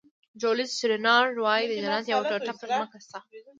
جولیس رینارډ وایي د جنت یوه ټوټه په ځمکه شته.